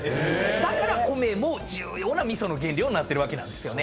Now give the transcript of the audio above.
だから米も重要な味噌の原料になってるわけなんですよね。